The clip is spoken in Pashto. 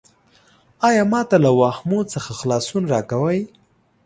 ایا ما ته له واهمو څخه خلاصون راکوې؟